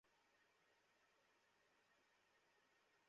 চলো, ভেতরে গিয়ে কথা বলি।